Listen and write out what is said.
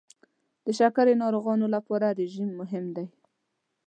د شکرې ناروغانو لپاره رژیم مهم دی.